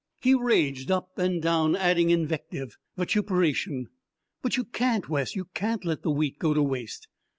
He raged up and down, adding invective, vituperation. "But you can't, Wes you can't let the wheat go to waste."